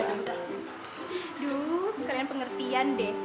aduh kalian pengertian deh